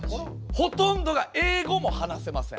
ほとんどが英語も話せません。